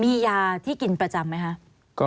มียาที่กินประจำไหมคะ